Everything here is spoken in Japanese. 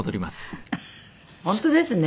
本当ですね。